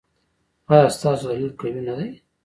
ایا ستاسو دلیل قوي نه دی؟